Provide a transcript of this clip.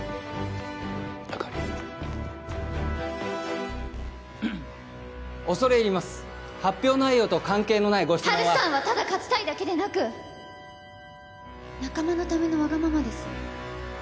あかり恐れ入ります発表内容と関係のないご質問はハルさんはただ勝ちたいだけでなく仲間のためのワガママです